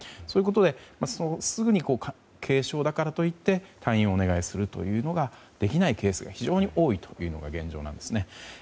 そういうことですぐに軽症だからといって退院をお願いするというのができないケースが非常に多いというのが現状なんですね。